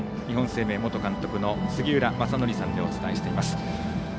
日本生命元監督の杉浦正則さんでお伝えしています。